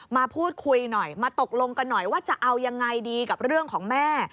มาพูดคุยหน่อยมาตกลงกันหน่อยว่าจะเอายังไงดีกับเรื่องของแม่